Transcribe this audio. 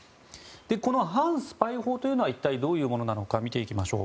この反スパイ法というのはどういうものか見ていきます。